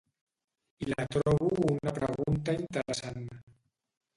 I la trobo una pregunta interessant.